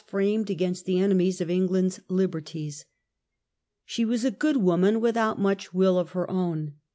framed against the enemies of England's liberties. She was a good woman without much will of her own.